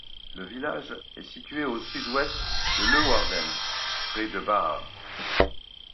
Le village est situé à au sud-ouest de Leeuwarden, près de Baard.